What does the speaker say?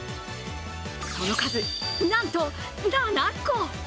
その数、なんと７個！